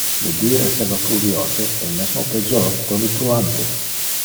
Le die esseva pluviose, e mesmo pejor, tonitruante.